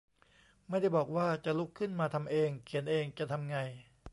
ไม่ได้บอกว่าจะลุกขึ้นมาทำเองเขียนเองจะทำไง